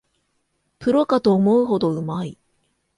プロかと思うほどうまい